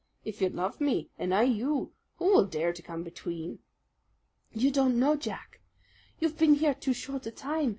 If you love me, and I you, who will dare to come between?" "You don't know, Jack. You've been here too short a time.